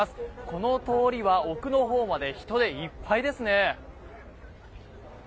この通りは奥のほうまで人でいっぱいですね。